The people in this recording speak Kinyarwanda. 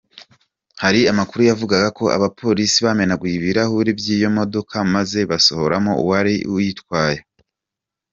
Hari amakuru yavugaga ko abapolisi bamenaguye ibirahure by'iyo modoka maze basohoramo uwari uwitwaye.